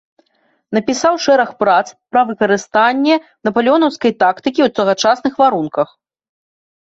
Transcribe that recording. Напісаў шэраг прац пра выкарыстанне напалеонаўскай тактыкі ў тагачасных варунках.